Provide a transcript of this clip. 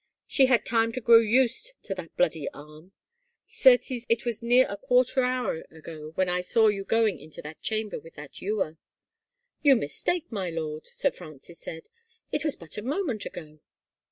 She had time to grow used to that bloodied arm ! Certes, it was near a quarter hour ago when I *saw you going into that chamber with that ewer." " You mistake, my lord," Sir Francis said, " it was but a moment ago."